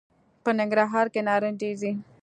په ننګرهار کي نارنج ډېر دي .